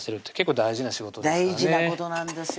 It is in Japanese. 大事なことなんですよ